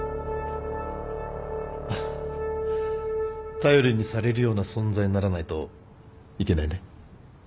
頼りにされるような存在にならないといけないね。